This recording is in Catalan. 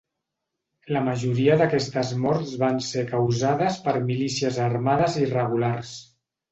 La majoria d’aquestes morts van ser causades per milícies armades irregulars.